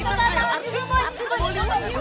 kita taruh tangan